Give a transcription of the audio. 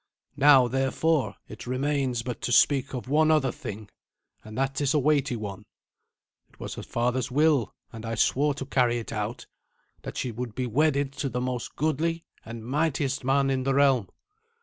Now, therefore, it remains but to speak of one other thing and that is a weighty one. It was her father's will and I swore to carry it out, that she should be wedded to the most goodly and mightiest man in the realm.